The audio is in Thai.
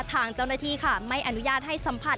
ทางเจ้าหน้าที่ค่ะไม่อนุญาตให้สัมผัส